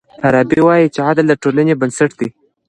فارابي وايي چي عدل د ټولني بنسټ دی.